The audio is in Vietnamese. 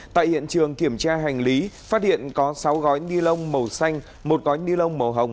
tại hiện trường kiểm tra hành lý phát hiện có sáu gói ni lông màu xanh một gói ni lông màu hồng